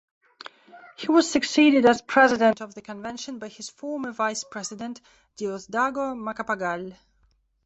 He was succeeded as president of the Convention by his former Vice-President, Diosdado Macapagal.